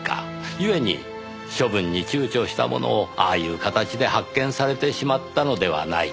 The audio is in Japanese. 故に処分に躊躇したものをああいう形で発見されてしまったのではないか。